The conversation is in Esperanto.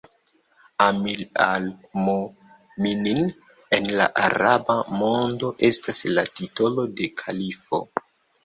Amir al-Mu'minin en la araba mondo estas la titolo de kalifo.